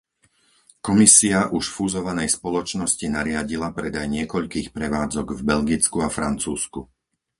Komisia už fúzovanej spoločnosti nariadila predaj niekoľkých prevádzok v Belgicku a Francúzsku.